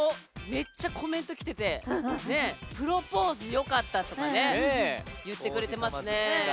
めっちゃコメントきてて「プロポーズ」よかったとかね言ってくれてますね。